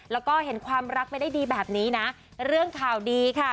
แล้วก็เห็นความรักไม่ได้ดีแบบนี้นะเรื่องข่าวดีค่ะ